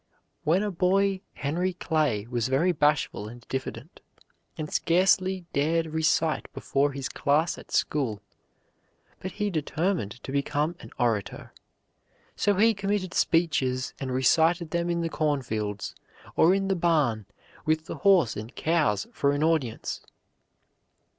When a boy Henry Clay was very bashful and diffident, and scarcely dared recite before his class at school, but he determined to become an orator. So he committed speeches and recited them in the cornfields, or in the barn with the horse and cows for an audience.